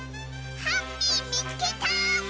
ハッピーみつけた！